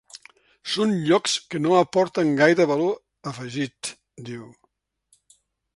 “Són llocs que no aporten gaire valor afegit”, diu.